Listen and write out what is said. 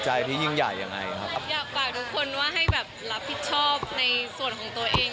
ที่ยิ่งใหญ่ยังไงครับอยากฝากทุกคนว่าให้แบบรับผิดชอบในส่วนของตัวเอง